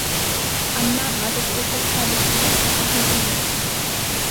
ئەمما ھازىرچە ئۇ خىل ئىپادىلەشنىڭ بەك چوڭ ئەھمىيىتىمۇ يوق.